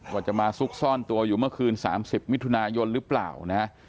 ว่าจะมาซุกซ่อนตัวอยู่เมื่อคืน๓๐มิถุนายนหรือเปล่านะ